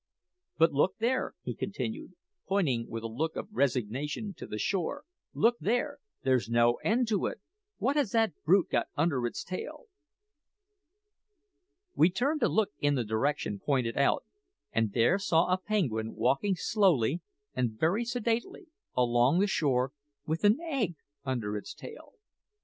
But look there!" he continued, pointing with a look of resignation to the shore "look there! there's no end to it. What has that brute got under its tail?" We turned to look in the direction pointed out, and there saw a penguin walking slowly and very sedately along the shore with an egg under its tail.